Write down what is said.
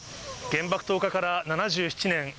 原爆投下から７７年。